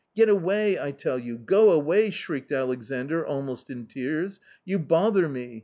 " Get away, I tell you, go away !" shrieked Alexai almost in tears ;" you bother me